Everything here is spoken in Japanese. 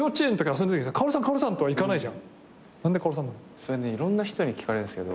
それねいろんな人に聞かれるんですけど。